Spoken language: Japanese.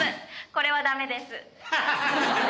これは駄目です。